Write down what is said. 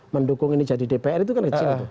mendukung ini jadi dpr itu kan kecil